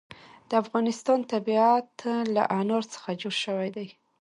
د افغانستان طبیعت له انار څخه جوړ شوی دی.